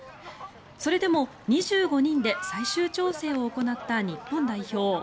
それでも２５人で最終調整を行った日本代表。